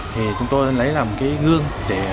thì chúng tôi lấy làm cái gương